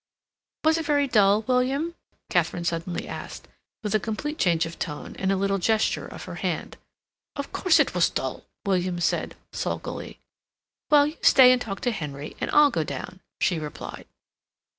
"Was it very dull, William?" Katharine suddenly asked, with a complete change of tone and a little gesture of her hand. "Of course it was dull," William said sulkily. "Well, you stay and talk to Henry, and I'll go down," she replied.